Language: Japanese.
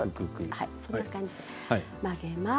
そんな感じで曲げます。